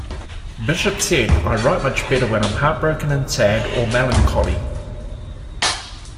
Bishop said: I write much better when I'm heartbroken and sad or melancholy.